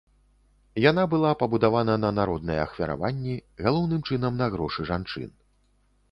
Яна была пабудавана на народныя ахвяраванні, галоўным чынам на грошы жанчын.